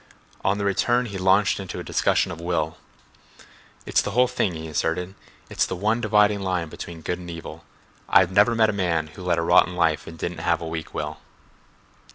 On the return he launched into a discussion of will. "It's the whole thing," he asserted. "It's the one dividing line between good and evil. I've never met a man who led a rotten life and didn't have a weak will."